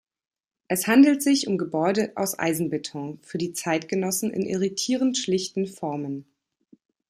Es handelt sich um Gebäude aus Eisenbeton, für die Zeitgenossen in irritierend schlichten Formen.